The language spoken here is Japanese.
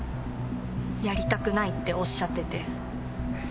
やりたくないっておっしゃってて。